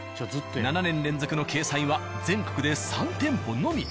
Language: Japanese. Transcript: ７年連続の掲載は全国で３店舗のみ。